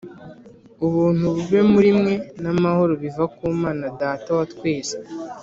Ubuntu bube muri mwe n’amahoro biva ku Mana Data wa twese